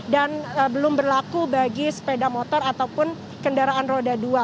dan belum berlaku bagi sepeda motor ataupun kendaraan roda dua